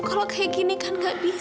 kalau kayak gini kan gak bisa